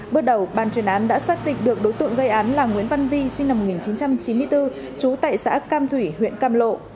bước đầu ban chuyên án đã xác định được đối tượng gây án là nguyễn văn vi sinh năm một nghìn chín trăm chín mươi bốn trú tại xã cam thủy huyện cam lộ